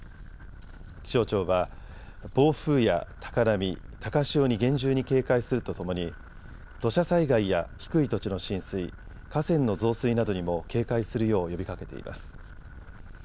気象庁は暴風や高波、高潮に厳重に警戒するとともに土砂災害や低い土地の浸水、河川の増水などにも警戒するよう呼びかけています。